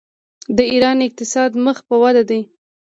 د ایران اقتصاد مخ په وده دی.